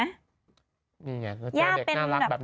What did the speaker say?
นี่ไงก็เจอเด็กน่ารักแบบนี้